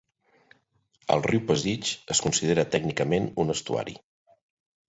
El riu Pasig es considera tècnicament un estuari.